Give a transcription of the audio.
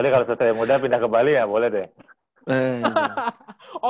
kalau satria muda pindah ke bali ya boleh deh